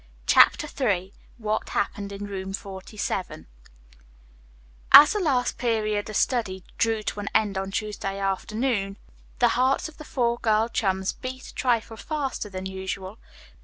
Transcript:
CHAPTER III WHAT HAPPENED IN ROOM FORTY SEVEN As the last period of study drew to an end on Tuesday afternoon, the hearts of the four girl chums beat a trifle faster than usual.